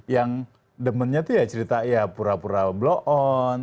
yang demennya itu ya cerita ya pura pura blok on